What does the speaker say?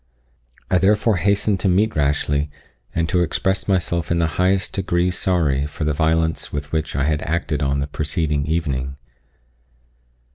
I therefore hastened to meet Rashleigh, and to express myself in the highest degree sorry for the violence with which I had acted on the preceding evening.